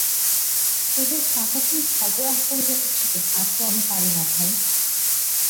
তােদের পাকাচুল সবরাহ করিয়া উঠিতে আর তো আমি পারি না ভাই।